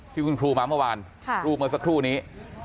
ที่คุณครูมาเมื่อวานรูปเมื่อสักครู่นี้